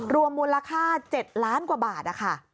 รวมมูลค่า๗ล้านกว่าบาทนะคะ